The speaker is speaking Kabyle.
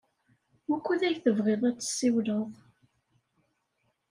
Wukud ay tebɣiḍ ad tessiwleḍ?